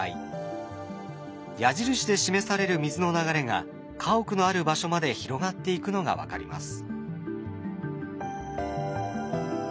矢印で示される水の流れが家屋のある場所まで広がっていくのが分かります。